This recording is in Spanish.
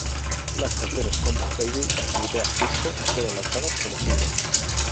Las canciones "Combat Baby" y "Dead Disco" fueron lanzados como "singles".